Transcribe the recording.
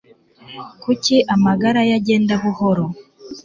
kuki amagare ye agenda buhoro